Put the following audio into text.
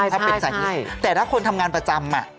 ถ้าเป็นสาเหตุแต่ถ้าคนทำงานประจำ